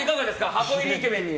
箱入りイケメンに。